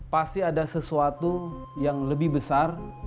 pasti ada sesuatu yang lebih besar